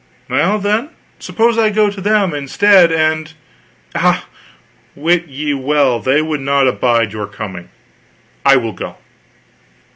"Well, then, suppose I go to them instead, and " "Ah, wit ye well they would not abide your coming. I will go."